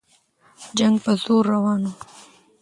جنګ په زور روان وو.